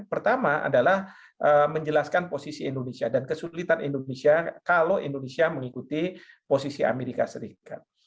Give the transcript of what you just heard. pertama adalah menjelaskan posisi indonesia dan kesulitan indonesia kalau indonesia mengikuti posisi amerika serikat